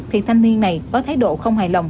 thì thanh niên này có thái độ không hài lòng